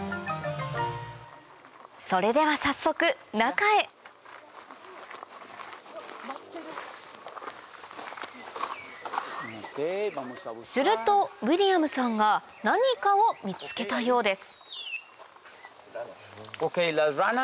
それでは早速中へするとウィリアムさんが何かを見つけたようです